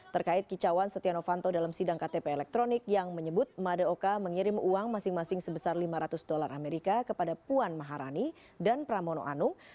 terkait kicauan setia novanto dalam sidang ktp elektronik yang menyebut madaoka mengirim uang masing masing sebesar lima ratus dolar amerika kepada puan maharani dan pramono anung